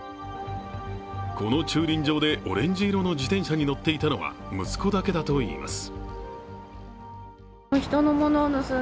この駐輪場でオレンジ色の自転車に乗っていたのは息子だけだといいます。